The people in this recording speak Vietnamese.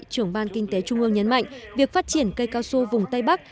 trưởng ban kinh tế trung ương nhấn mạnh việc phát triển cây casu vùng tây bắc